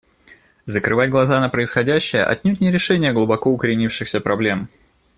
Закрывать глаза на происходящее — отнюдь не решение глубоко укоренившихся проблем.